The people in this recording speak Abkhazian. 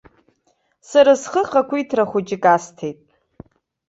Сара схы хақәиҭра хәыҷык асҭеит.